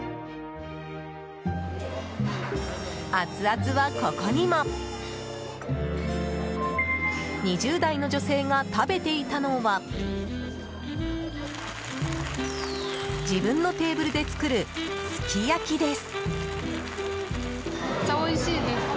アツアツは、ここにも。２０代の女性が食べていたのは自分のテーブルで作るすき焼きです。